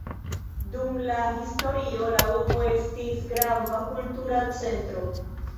Dum la historio la urbo estis grava kultura centro.